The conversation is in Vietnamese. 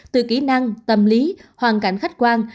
từ kỹ năng tâm lý hoàn cảnh khách quan